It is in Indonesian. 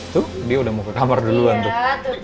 tuh dia udah mau ke kamar duluan tuh